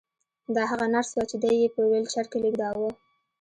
دا هغه نرس وه چې دی یې په ويلچر کې لېږداوه